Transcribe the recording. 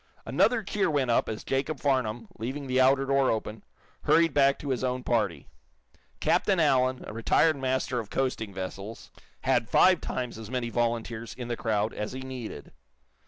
Another cheer went up as Jacob Farnum, leaving the outer door open, hurried back to his own party. Captain Allen, a retired master of coasting vessels, had five times as many volunteers in the crowd as he needed.